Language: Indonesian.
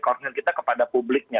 concern kita kepada publiknya